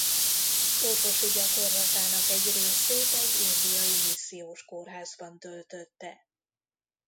Orvosi gyakorlatának egy részét egy indiai missziós kórházban töltötte.